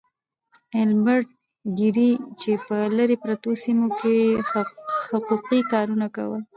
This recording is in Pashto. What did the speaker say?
ايلبرټ ګيري چې په لرې پرتو سيمو کې يې حقوقي کارونه کول.